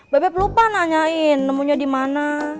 bebet lupa nanyain nemunya dimana